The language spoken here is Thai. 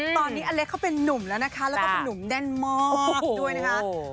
ตอนนี้อเล็กเขาเป็นนุ่มแล้วนะคะแล้วก็เป็นนุ่มแน่นมากด้วยนะคะ